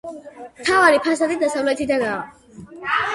მთავარი ფასადი დასავლეთიდანაა.